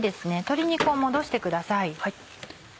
鶏肉を戻してください。